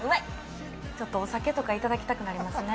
ちょっとお酒とかいただきたくなりますね。